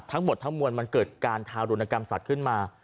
ทั้งหมดทั้งมวลมันเกิดการทารุณกรรมสัตว์ขึ้นมา